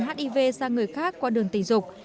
hiv sang người khác qua đường tình dục